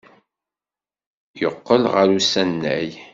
Yeqqel ɣer usanay.